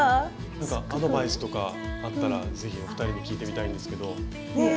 なんかアドバイスとかあったらぜひお二人に聞いてみたいんですけど。